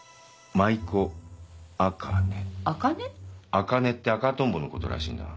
アカネって赤トンボのことらしいんだ。